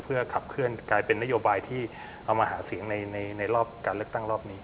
เพื่อขับเคลื่อนเปลี่ยนเป็นนโยบายที่ออกมาหาเสียงในรอบการเลือกตั้ง